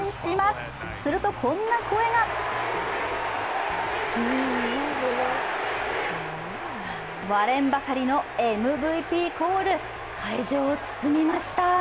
すると、こんな声が割れんばかりのＭＶＰコール、会場を包みました。